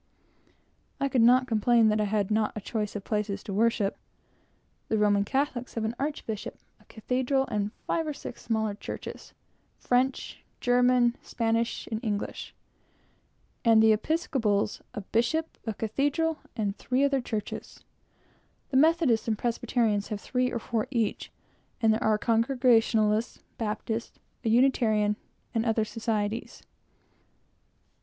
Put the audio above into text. I could not complain that I had not a choice of places of worship. The Roman Catholics have an archbishop, a cathedral, and five or six smaller churches, French, German, Spanish, and English; and the Episcopalians, a bishop, a cathedral, and three other churches; the Methodists and Presbyterians have three or four each, and there are Congregationalists, Baptists, a Unitarian, and other societies.